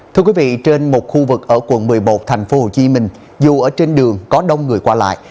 thưa quý vị trên một khu vực ở quận một mươi một thành phố hồ chí minh dù ở trên đường có đông người qua lại